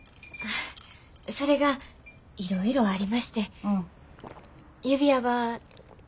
それがいろいろありまして指輪は２週間後。